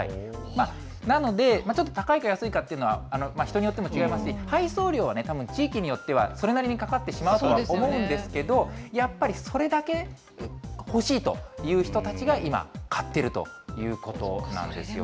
なので、ちょっと高いか安いかっていうのは人によっても違いますし、配送料はたぶん、地域によっては、それなりにかかってしまうとは思うんですけど、やっぱりそれだけ欲しいという人たちが今、買っているということなんですよ